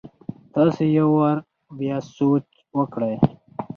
تاسي يو وار بيا سوچ وکړئ!